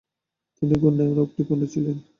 তিনি ঘূর্ণায়মান অগ্নিকুণ্ড ছিলেন।